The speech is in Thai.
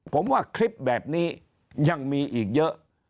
ผมว่าคลิปแบบนี้ยังมีอีกเยอะ